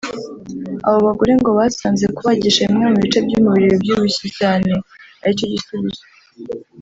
Abo bagore ngo basanze kubagisha bimwe mu bice by’umubiri bibyibushye cyane aricyo gisubizo